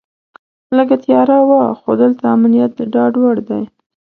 لږه تیاره وه خو دلته امنیت د ډاډ وړ دی.